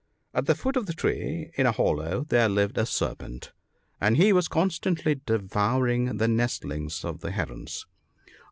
At the foot of the tree, in a hollow, there lived a serpent ; and he was constantly devouring the nestlings of the Herons.